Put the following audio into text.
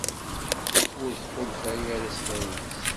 ur tḥulfa ara s tayri-s.